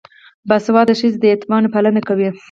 باسواده ښځې د یتیمانو پالنه کوي.